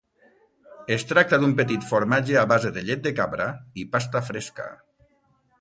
Es tracta d'un petit formatge a base de llet de cabra i pasta fresca.